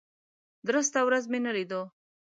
درسته ورځ مې نه لیدو.